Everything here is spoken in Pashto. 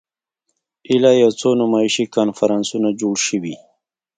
ایله یو څو نمایشي کنفرانسونه جوړ شوي.